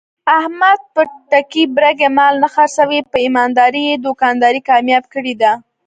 احمد په ټګۍ برگۍ مال نه خرڅوي. په ایماندارۍ یې دوکانداري کامیاب کړې ده.